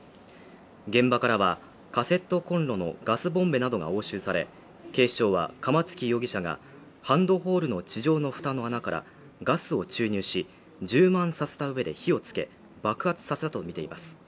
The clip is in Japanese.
現場からはカセットコンロのガスボンベなどが押収され警視庁は釜付容疑者がハンドボールの地上の蓋の穴からガスを注入し充満させたうえで火をつけ爆発させたと見ています